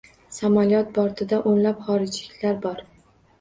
Samolyot bortida o'nlab xorijliklar bor